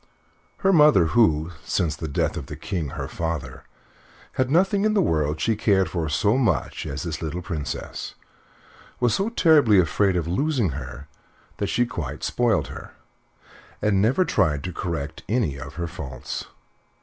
Her mother, who, since the death of the King, her father, had nothing in the world she cared for so much as this little Princess, was so terribly afraid of losing her that she quite spoiled her, and never tried to correct any of her faults.